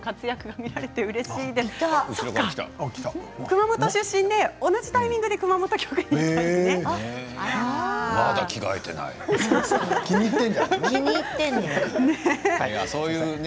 熊本出身で同じタイミングで熊本局にいたんだよね。